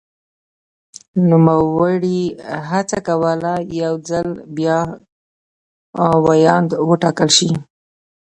نوموړي هڅه کوله یو ځل بیا ویاند وټاکل شي.